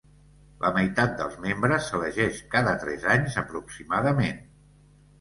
La meitat dels membres s'elegeix cada tres anys, aproximadament.